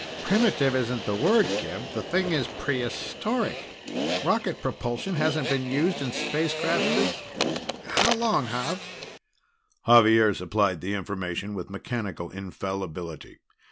"Primitive isn't the word, Gib the thing is prehistoric! Rocket propulsion hasn't been used in spacecraft since how long, Xav?" Xavier supplied the information with mechanical infallibility.